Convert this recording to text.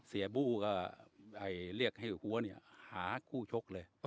บู้ก็เรียกให้หัวเนี่ยหาคู่ชกเลย